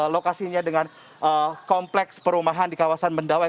lokasinya dengan kompleks perumahan di kawasan mendawai